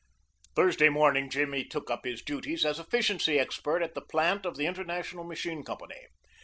Thursday morning Jimmy took up his duties as efficiency expert at the plant of the International Machine Company.